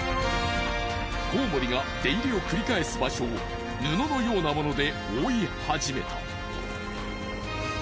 コウモリが出入りを繰り返す場所を布のようなもので覆いはじめた。